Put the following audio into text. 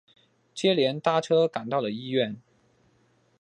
接连搭车赶到了医院